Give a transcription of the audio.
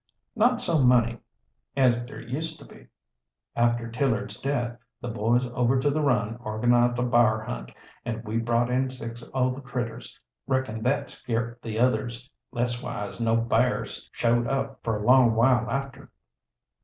"Not so many as there used to be. After Tillard's death the boys over to the Run organized a b'ar hunt, and we brought in six o' the critters. Reckon thet scart the others leas'wise no b'ars showed up fer a long while after."